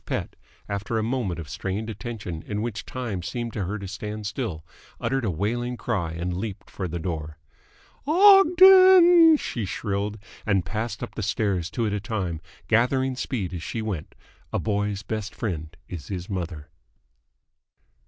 Pett, after a moment of strained attention in which time seemed to her to stand still, uttered a wailing cry and leaped for the door. "Ogden!" she shrilled; and passed up the stairs two at a time, gathering speed as she went. A boy's best friend is his mother.